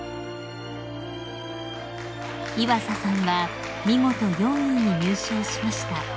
［岩佐さんは見事４位に入賞しました］